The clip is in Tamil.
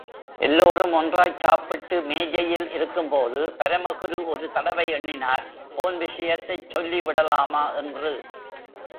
எல்லோரும் ஒன்றாய் சாப்பாட்டு மேஜையில் இருக்கும்போது பரமகுரு ஒரு தடவை எண்ணினார் போன் விஷயத்தைச் சொல்லி விடலாமா என்று.